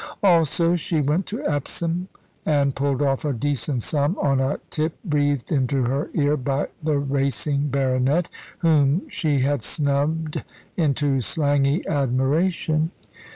Also, she went to Epsom, and pulled off a decent sum on a tip breathed into her ear by the racing baronet, whom she had snubbed into slangy admiration.